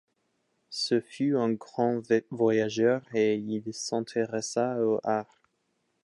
Ce fut un grand voyageur et il s'intéressa aux arts.